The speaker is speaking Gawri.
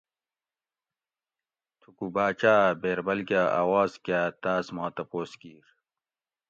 تھوکو باچاۤ ھہ بیربل کہ آواز کاۤ تاۤس ما تپوس کِیر